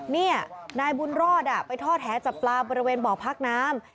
นี่นายบุญรอดไปท่อแหจับปลาบริเวณบ่อพักน้ำ